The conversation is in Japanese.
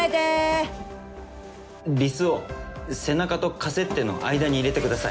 リスを背中とカセッテの間に入れてください。